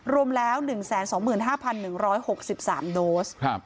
รวมแล้ว๑๒๕๑๖๓โดส